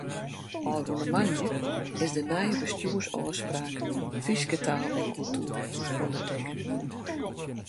Ofrûne moandei is de nije Bestjoersôfspraak Fryske Taal en Kultuer ûndertekene.